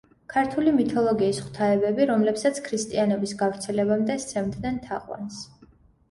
ქართული მითოლოგიის ღვთაებები, რომლებსაც ქრისტიანობის გავრცელებამდე სცემდნენ თაყვანს.